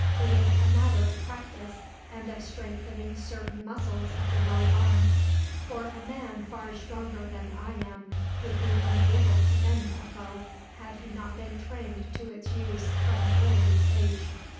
"It is a matter of practice, and of strengthening certain muscles of the right arm; for a man far stronger than I am would be unable to bend that bow, had he not been trained to its use from the earliest age.